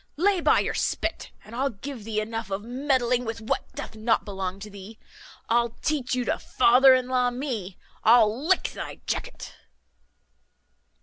Lay by your spit, and I'll give thee enough of meddling with what doth not belong to thee. I'll teach you to father in law me. I'll lick thy jacket."